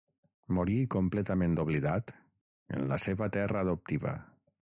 Morí completament oblidat, en la seva terra adoptiva.